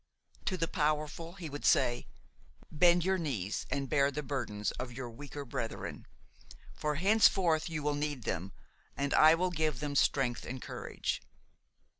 To the powerful He would say: 'Bend your knees and bear the burdens of your weaker brethren; for henceforth you will need them and I will give them strength and courage.'